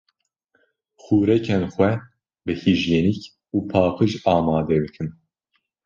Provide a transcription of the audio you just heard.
Xurekên xwe bi hîjyenîk û paqîj amade bikin.